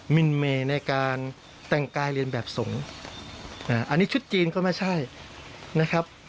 มินเมย์ในการแต่งกายเรียนแบบสงฆ์อันนี้ชุดจีนก็ไม่ใช่นะครับ